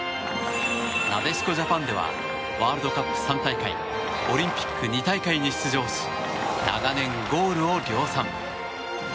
なでしこジャパンではワールドカップ３大会オリンピック２大会に出場し長年、ゴールを量産。